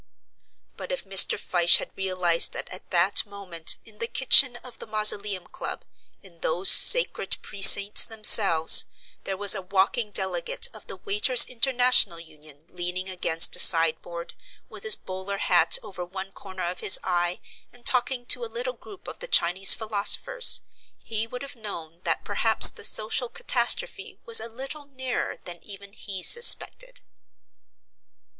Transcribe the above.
But if Mr. Fyshe had realized that at that moment, in the kitchen of the Mausoleum Club, in those sacred precincts themselves, there was a walking delegate of the Waiters' International Union leaning against a sideboard, with his bowler hat over one corner of his eye, and talking to a little group of the Chinese philosophers, he would have known that perhaps the social catastrophe was a little nearer than even he suspected.